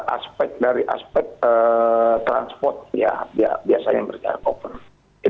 aspek dari aspek transport ya biasanya mereka cover